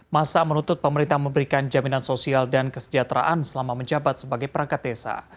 masa menuntut pemerintah memberikan jaminan sosial dan kesejahteraan selama menjabat sebagai perangkat desa